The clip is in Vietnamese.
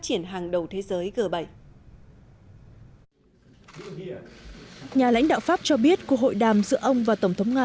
triển hàng đầu thế giới g bảy nhà lãnh đạo pháp cho biết cuộc hội đàm giữa ông và tổng thống nga